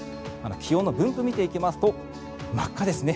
気温の分布を見ていきますと真っ赤ですね。